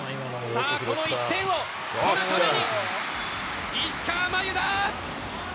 さあ、この１点を取るために、石川真佑だ。